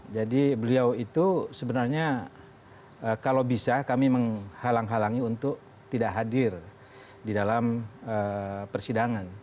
jadi beliau itu sebenarnya kalau bisa kami menghalang halangi untuk tidak hadir di dalam persidangan